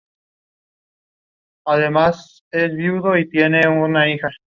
Juega como arquero y su primer equipo fue Villa San Carlos.